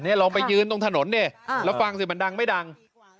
ลองไปยืนตรงถนนดิแล้วฟังสิมันดังไม่ดัง